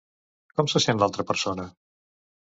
Com se sent l'altra persona?